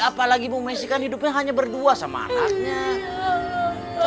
apalagi bu messi kan hidupnya hanya berdua sama anaknya